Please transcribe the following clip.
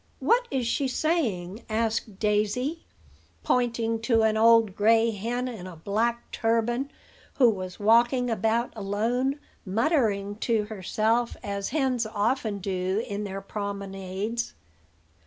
"What is she saying?" asked Daisy, pointing to an old gray hen in a black turban, who was walking about alone, muttering to herself, as hens often do in their promenades.